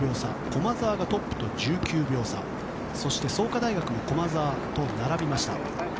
駒澤がトップと１９秒差創価大学も駒澤と並びました。